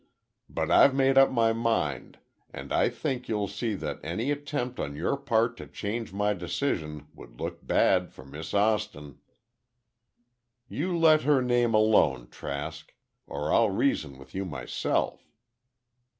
But I've made up my mind, and I think you'll see that any attempt on your part to change my decision would look bad for Miss Austin." "You let her name alone, Trask, or I'll reason with you myself."